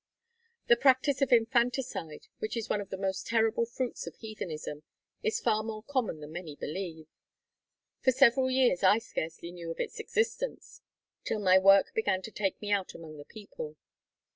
The practice of Infanticide, which is one of the most terrible fruits of heathenism, is far more common than many believe. For several years I scarcely knew of its existence till my work began to take me out among the people.